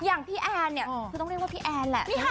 อย่างพี่แอนเนี่ยคือต้องเรียกว่าพี่แอนแหละ